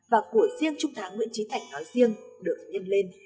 và của riêng trung tá nguyễn trí thành nói riêng được nhân lên